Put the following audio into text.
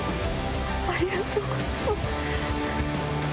ありがとうございます。